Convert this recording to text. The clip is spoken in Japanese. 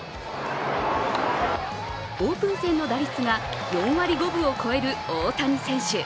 オープン戦の打率が４割５分を超える大谷選手。